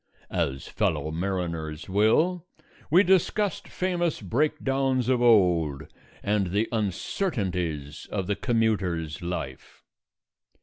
As fellow mariners will, we discussed famous breakdowns of old and the uncertainties of the commuter's life.